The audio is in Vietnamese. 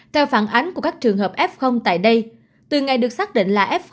theo phản ánh của các trường hợp f tại đây từ ngày được xác định là f một